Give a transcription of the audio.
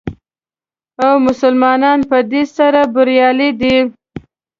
او مسلمانان په دې سره بریالي دي.